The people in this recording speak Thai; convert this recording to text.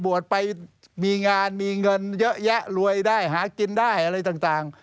ไปมีงานมีเงินเยอะแยะรวยได้หากินได้อะไรต่าง